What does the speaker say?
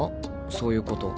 そういうこと。